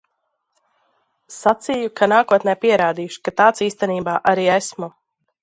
Sacīju, ka nākotnē pierādīšu, ka tāds īstenībā arī esmu.